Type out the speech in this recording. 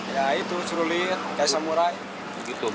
ya itu curulit kaisa murai